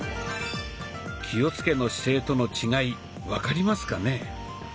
気をつけの姿勢との違い分かりますかね？